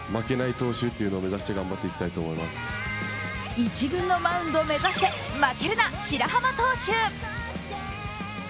１軍のマウンド目指して負けるな白濱投手。